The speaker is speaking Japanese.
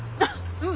うん。